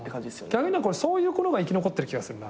逆にそういう子の方が生き残ってる気がするな。